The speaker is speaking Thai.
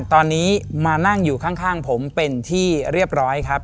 ตอนนี้มานั่งอยู่ข้างผมเป็นที่เรียบร้อยครับ